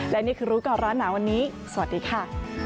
และนี่คือรู้ก่อนร้อนหนาวันนี้สวัสดีค่ะ